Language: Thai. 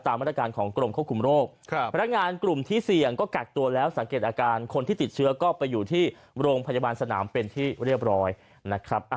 ตามรักษาการของกรมควบคุมโรค